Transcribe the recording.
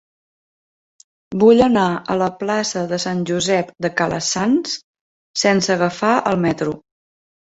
Vull anar a la plaça de Sant Josep de Calassanç sense agafar el metro.